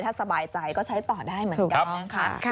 ถ้าสบายใจก็ใช้ต่อได้เหมือนกันนะคะ